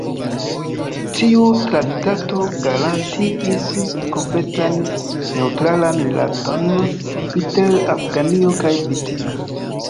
Tiu traktato garantiis kompletan neŭtralan rilaton inter Afganio kaj Britio.